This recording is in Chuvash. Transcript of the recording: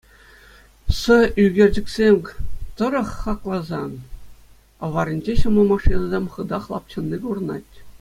Сӑ ӳкерчӗксем тӑрӑх хакласан, аваринче ҫӑмӑл машинӑсем хытах лапчӑнни курӑнать.